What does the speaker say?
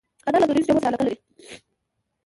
انا له دودیزو جامو سره علاقه لري